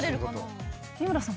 三村さん